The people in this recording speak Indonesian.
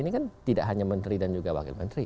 ini kan tidak hanya menteri dan juga wakil menteri